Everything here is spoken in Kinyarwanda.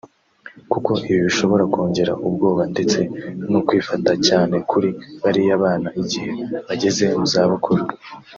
kuko ibi bishobora kongera ubwoba ndetse n’ukwifata cyane kuri bariya bana igihe bageze mu zabukuru